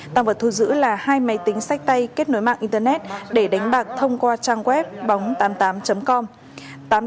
tăng vật thu giữ là hai máy tính sách tay kết nối mạng internet để đánh bạc thông qua trang web bóng tám mươi tám com